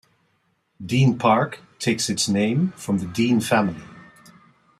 Dean Park takes its name from the Dean family.